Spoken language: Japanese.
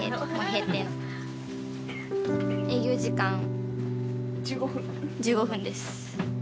営業時間１５分です。